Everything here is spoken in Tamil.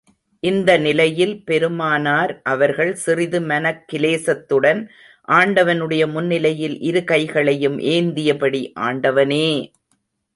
இந்த நிலையில், பெருமானார் அவர்கள் சிறிது மனக்கிலேசத்துடன், ஆண்டவனுடைய முன்னிலையில் இரு கைகளையும் ஏந்தியபடி, ஆண்டவனே!